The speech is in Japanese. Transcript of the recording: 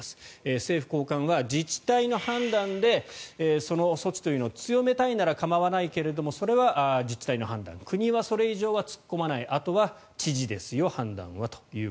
政府高官は自治体の判断でその措置というのを強めたいなら構わないけどそれは自治体の判断国はそれ以上突っ込まないあとは知事の判断ですよと。